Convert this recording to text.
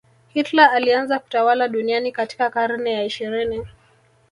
hitler alianza kutawala duniani katika karne ya ishirini